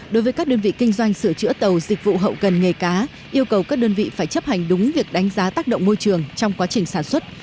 đối với các đơn vị kinh doanh sửa chữa tàu dịch vụ hậu cần nghề cá yêu cầu các đơn vị phải chấp hành đúng việc đánh giá tác động môi trường trong quá trình sản xuất